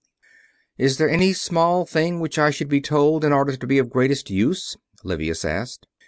"Is there any small thing which I should be told in order to be of greatest use?" Livius asked.